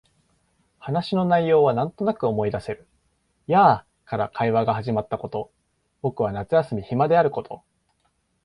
話の内容はなんとなく思い出せる。やあ、から会話が始まったこと、僕は夏休み暇であること、